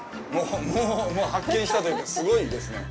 もう発見したというか、すごいですね。